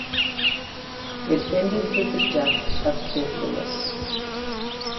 It ended with the death of Kid Louis.